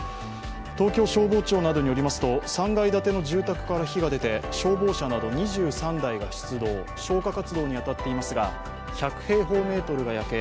東京消防庁などによりますと３階建ての住宅から火が出て消防車など２３台が出動、消火活動に当たっていますが１００平方メートルが焼け